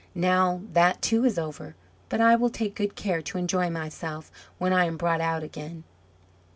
Now that too is over. But I will take good care to enjoy myself when I am brought out again."